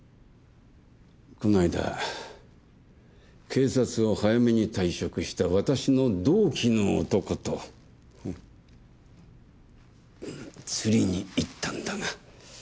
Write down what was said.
この間警察を早めに退職した私の同期の男と釣りに行ったんだが。